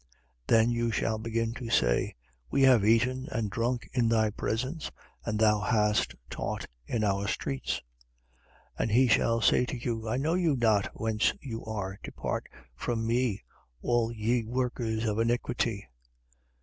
13:26. Then you shall begin to say: We have eaten and drunk in thy presence: and thou hast taught in our streets. 13:27. And he shall say to you: I know you not, whence you are. Depart from me, all ye workers of iniquity.